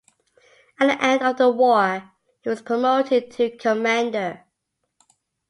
At the end of the war he was promoted to Commander.